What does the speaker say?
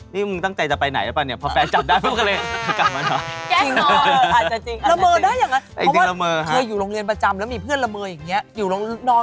นี่เมื่องั้นตั้งใจจะไปไหนเปล่าเนี่ยพอแฟนจัดได้ก็กลับมานอน